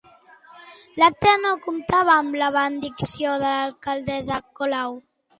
L'acte no comptava amb la benedicció de l'alcaldessa Colau.